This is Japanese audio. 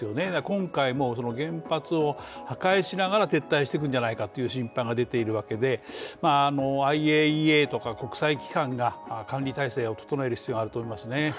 今回も原発を破壊しながら撤退していくんじゃないかという心配が出ているわけで、ＩＡＥＡとか国際機関が、管理体制を整える必要があると思いますね。